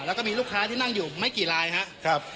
แล้วก็มีลูกค้าที่นั่งอยู่ไม่กี่ลายครับ